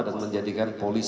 dan menjadikan polis